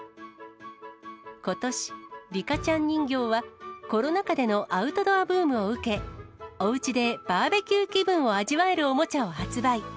ことし、リカちゃん人形はコロナ禍でのアウトドアブームを受け、おうちでバーベキュー気分を味わえるおもちゃを発売。